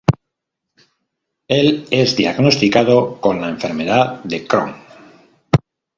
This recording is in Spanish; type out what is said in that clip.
Él es diagnosticado con la enfermedad de Crohn.